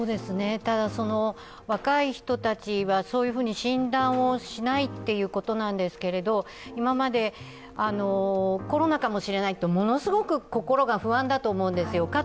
ただ、若い人たちはそういうふうに診断をしないということなんですけれどコロナかもしれないと、ものすごく心が不安だと思うんですよ。